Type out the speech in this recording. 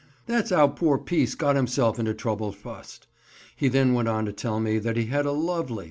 That's 'ow poor Peace got 'imself into trouble fust." He then went on to tell me that he had a lovely